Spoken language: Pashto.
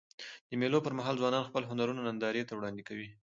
د مېلو پر مهال ځوانان خپل هنرونه نندارې ته وړاندي کوي.